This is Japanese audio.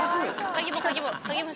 鍵も鍵も。